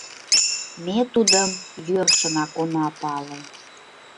— Ме тудым йӧршынак она пале...